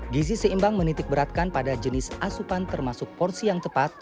gizi seimbang menitik beratkan pada jenis asupan termasuk porsi yang tepat